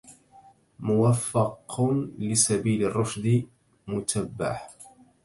موفق لسبيل الرشد متبع